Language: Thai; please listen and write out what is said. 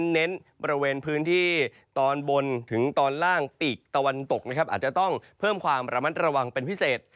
เน้นบริเวณพื้นที่ตอนบนถึงตอนล่างปีกตะวันตกนะครับอาจจะต้องเพิ่มความระมัดระวังเป็นพิเศษ